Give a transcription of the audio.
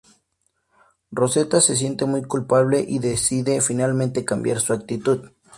Rosetta se siente muy culpable y decide finalmente cambiar su actitud.